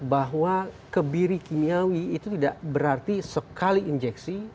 bahwa kebiri kimiawi itu tidak berarti sekali injeksi